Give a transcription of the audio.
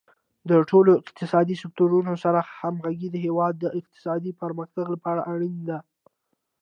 د ټولو اقتصادي سکتورونو سره همغږي د هیواد د اقتصادي پرمختګ لپاره اړینه ده.